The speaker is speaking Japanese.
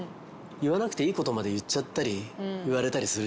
言わなくていいことまで言っちゃったり言われたりするじゃん。